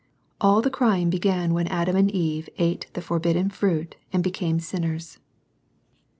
All the crying began when Adam and Eve ate the forbidden fruit and became sinners.